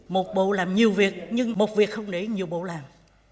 một bộ làm nhiều việc nhưng một việc không để nhiều bộ làm